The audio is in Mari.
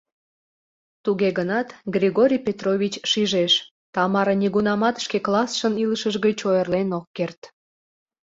Туге гынат, Григорий Петрович шижеш: Тамара нигунамат шке классшын илышыж гыч ойырлен ок керт...